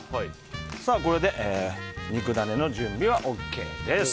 これで肉ダネの準備はＯＫです。